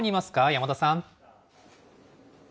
山田さん。